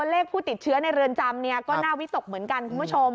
เลขผู้ติดเชื้อในเรือนจำก็น่าวิตกเหมือนกันคุณผู้ชม